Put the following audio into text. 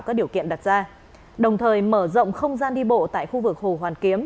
các điều kiện đặt ra đồng thời mở rộng không gian đi bộ tại khu vực hồ hoàn kiếm